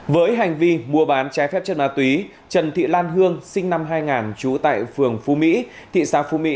với hành vi mua bán trái phép chất ma túy trần thị lan hương sinh năm hai nghìn trú tại phường phú mỹ